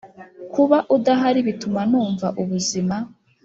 kuba udahari bituma numva ubuzima,